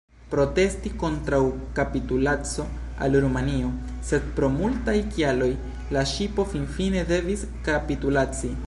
Protestis kontraŭ kapitulaco al Rumanio, sed pro multaj kialoj la ŝipo finfine devis kapitulaci.